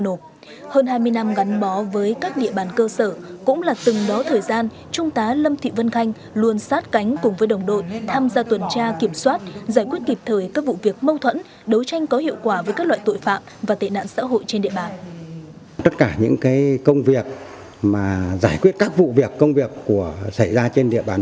nộp hơn hai mươi năm gắn bó với các địa bàn cơ sở cũng là từng đó thời gian trung tá lâm thị vân khanh luôn sát cánh cùng với đồng đội tham gia tuần tra kiểm soát giải quyết kịp thời các vụ việc mâu thuẫn đấu tranh có hiệu quả với các loại tội phạm và tệ nạn xã hội trên địa bàn